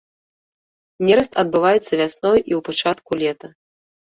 Нераст адбываецца вясной і ў пачатку лета.